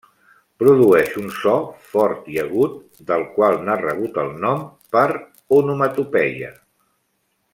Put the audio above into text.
Produeix un so fort i agut, del qual n'ha rebut el nom, per onomatopeia.